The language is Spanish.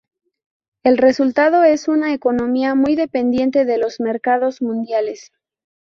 El resultado es una economía muy dependiente de los mercados mundiales.